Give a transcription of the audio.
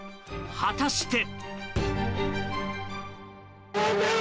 果たして。